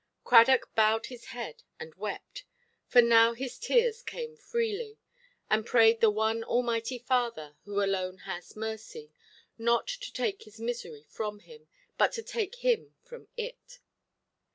Cradock bowed his head and wept, for now his tears came freely, and prayed the one Almighty Father, who alone has mercy, not to take his misery from him, but to take him from it.